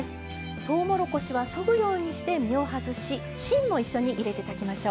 とうもろこしは、そぐようにして実を外し芯も一緒に入れていただきましょう。